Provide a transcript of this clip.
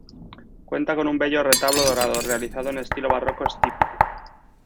Cuenta con un bello retablo dorado, realizado en estilo barroco estípite.